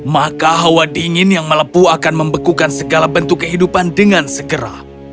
maka hawa dingin yang melepuh akan membekukan segala bentuk kehidupan dengan segera